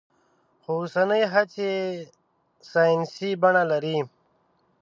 خو اوسنۍ هڅې يې ساينسي بڼه لري.